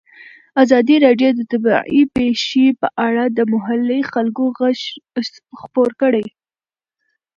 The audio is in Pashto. ازادي راډیو د طبیعي پېښې په اړه د محلي خلکو غږ خپور کړی.